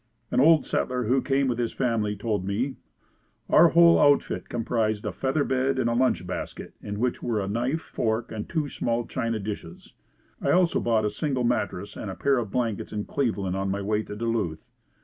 An old settler who came with his family told me "Our whole outfit comprised a feather bed and a lunch basket in which were a knife, fork and two small china dishes. I also bought a single mattress and a pair of blankets in Cleveland on my way to Duluth.